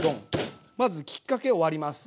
まずきっかけを割ります。